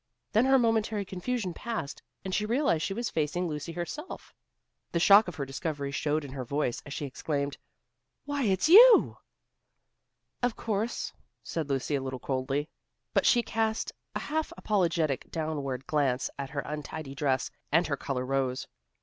Then her momentary confusion passed, and she realized she was facing Lucy herself. The shock of her discovery showed in her voice as she exclaimed, "Why, it's you!" "Of course," said Lucy a little coldly, but she cast a half apologetic downward glance at her untidy dress, and her color rose.